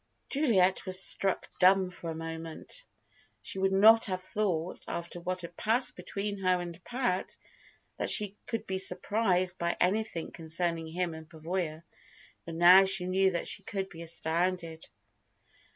Juliet was struck dumb for a moment. She would not have thought, after what had passed between her and Pat, that she could be surprised by anything concerning him and Pavoya, but now she knew that she could be astounded.